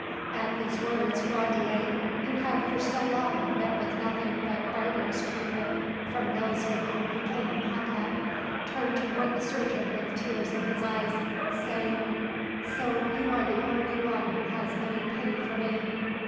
At, these words Grandier, who had for so long met with nothing but barbarous treatment from those with whom he came in contact, turned towards the surgeon with tears in his eyes, saying— "So you are the only one who has any pity for me."